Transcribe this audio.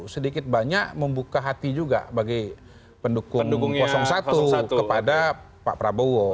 sedikit banyak membuka hati juga bagi pendukung satu kepada pak prabowo